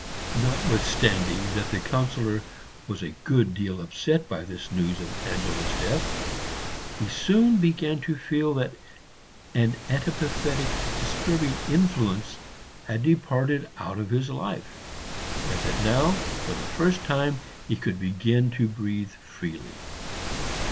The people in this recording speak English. Notwithstanding that the Councillor was a good deal upset by this news of Angela's death, he soon began to feel that an antipathetic, disturbing influence had departed out of his life, and that now for the first time he could begin to breathe freely.